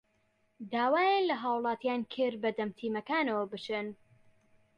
داوایان لە هاوڵاتیان کرد بەدەم تیمەکانەوە بچن